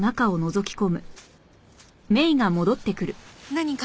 何か？